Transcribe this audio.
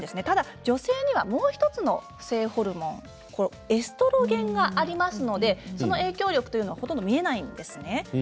ただ女性にはもう１つの性ホルモンエストロゲンがありますのでその影響力というのはあまり見えないんですね。